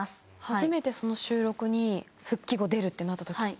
初めて収録に復帰後出るってなった時って。